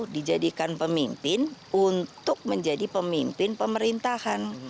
dijadikan pemimpin untuk menjadi pemimpin pemerintahan